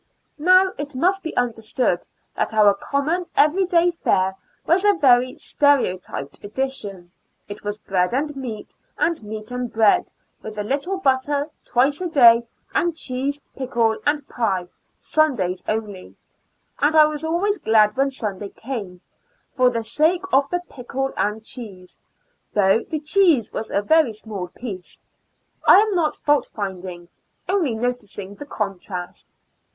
Now it must be understood that our common every day fare was a very stereotyped edition. It was bread and meat, and meat and bread, with a little butter, twice a day, and cheese, pickle, and pie, Sundays only; and I was 150 Two Years and Four Months alwii^^s glad when Sunday came, for the sake of the pickle and cheese, though the cheese was a very small piece. I am not fiiult finding, only noticing the contrast.